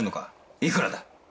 いくらだ？